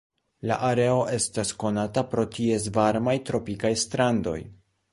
La areo estas konata pro ties varmaj tropikaj strandoj.